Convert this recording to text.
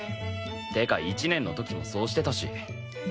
ってか１年の時もそうしてたし。